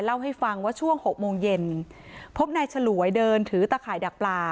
เล่าให้ฟังว่าช่วงหกโมงเย็นพบนายฉลวยเดินถือตะข่ายดักปลา